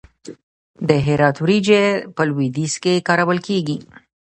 د هرات وریجې په لویدیځ کې کارول کیږي.